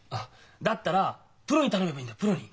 だったらプロに頼めばいいんだプロに。